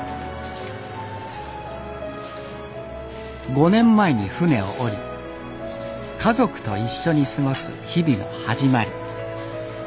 ５年前に船を下り家族と一緒に過ごす日々の始まり。